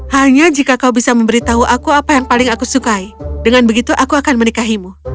hanya jika kau bisa memberitahu aku apa yang paling aku sukai dengan begitu aku akan menikahimu